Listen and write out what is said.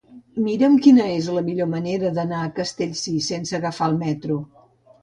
Mira'm quina és la millor manera d'anar a Castellcir sense agafar el metro.